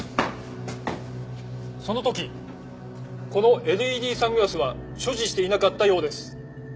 その時このＬＥＤサングラスは所持していなかったようです。